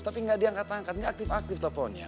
tapi gak diangkat angkat gak aktif aktif teleponnya